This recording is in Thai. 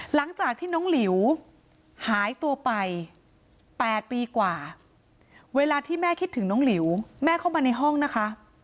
หลังจากที่น้องหลิวหายตัวไป๘ปีกว่าเวลาที่แม่คิดถึงน้องหลิวแม่เข้ามาในห้องนะคะ